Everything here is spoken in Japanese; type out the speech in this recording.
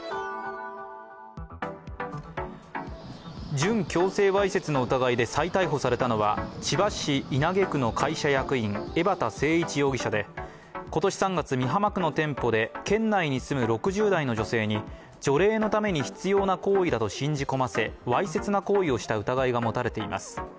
準強制わいせつの疑いで再逮捕されたのは千葉市稲毛区の会社役員江畑誠一容疑者で、今年３月、美浜区の店舗で県内に住む６０代の女性に除霊のために必要な行為だと信じ込ませわいせつな行為をした疑いが持たれています。